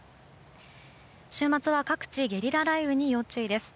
週末は各地ゲリラ雷雨に要注意です。